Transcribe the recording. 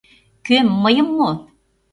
Кӧм, мыйым мо?